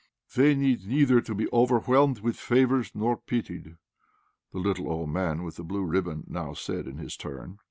"They need neither be overwhelmed with favours nor be pitied," the little old man with the blue ribbon now said, in his turn.